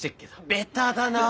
ベタだなあ！